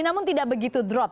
namun tidak begitu drop